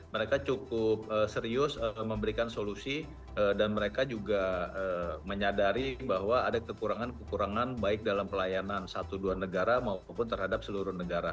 mereka cukup serius memberikan solusi dan mereka juga menyadari bahwa ada kekurangan kekurangan baik dalam pelayanan satu dua negara maupun terhadap seluruh negara